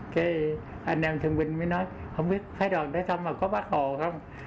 cái anh em thương minh mới nói không biết phải đòn đến thăm mà có bắt hồ không